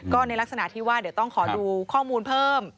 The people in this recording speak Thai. ก็ในลักษณะที่ว่าเดี๋ยวต้องขอดูข้อมูลเพิ่ม